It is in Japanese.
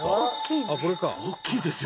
「大きいですよ」